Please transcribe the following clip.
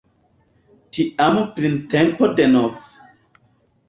Tiam printempo denove.